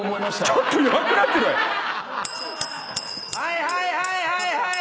はいはいはいはいはい！